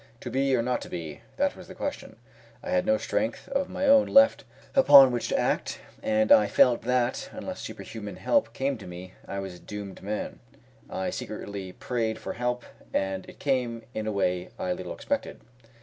"To be, or not to be!" that was the question. I had no strength of my own left upon which to act, and I felt that, unless superhuman help came to me, I was a doomed man. I secretly prayed for help, and it came in a way I little expected.